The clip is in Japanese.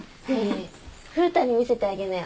ねえ風太に見せてあげなよ。